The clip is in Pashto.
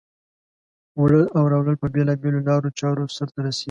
وړل او راوړل په بېلا بېلو لارو چارو سرته رسیږي.